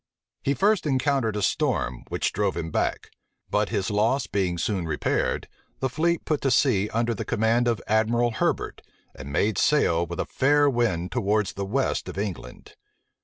He first encountered a storm, which drove him back: but his loss being soon repaired, the fleet put to sea under the command of Admiral Herbert, and made sail with a fair wind towards the west of England.